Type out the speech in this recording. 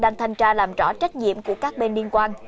đang thanh tra làm rõ trách nhiệm của các bên liên quan